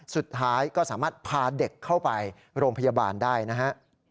สุดท้ายก็สามารถพาเด็กเข้าไปโรงพยาบาลได้นะฮะ